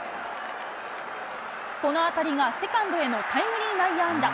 この当たりがセカンドへのタイムリー内野安打。